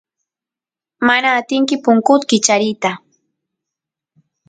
mana atinki punkut kichariyta